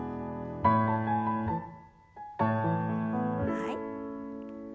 はい。